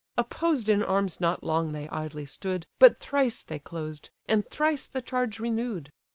Opposed in arms not long they idly stood, But thrice they closed, and thrice the charge renew'd.